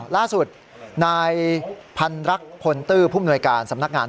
ล่าสุดนายพันรักพลตื้อผู้มนวยการสำนักงาน